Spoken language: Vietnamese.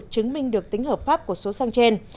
chứng minh được tính hợp pháp của số xăng trên